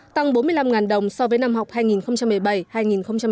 tăng bốn mươi năm đồng so với năm học